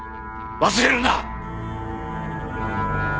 忘れるな！